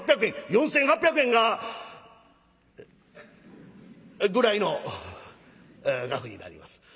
４，８００円が。ぐらいの額になります。